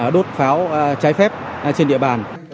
đốt pháo cháy phép trên địa bàn